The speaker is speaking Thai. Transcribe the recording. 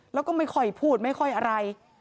แล้วก็ไม่ค่อยพูดไม่ค่อยอะไร